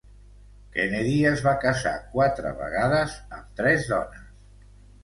Kennedy es va casar quatre vegades, amb tres dones.